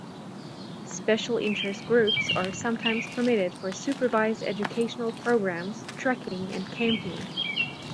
Special interest groups are sometimes permitted for supervised educational programs, trekking and camping.